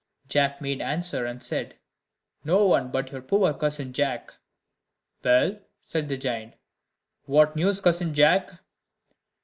Jack made answer, and said, "No one but your poor cousin Jack." "Well," said the giant, "what news, cousin Jack?"